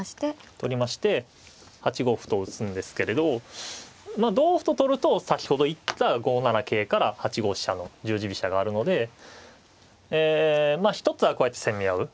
取りまして８五歩と打つんですけれど同歩と取ると先ほど言った５七桂から８五飛車の十字飛車があるのでまあ一つはこうやって攻め合う。